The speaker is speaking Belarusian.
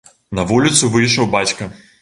На вуліцу выйшаў бацька.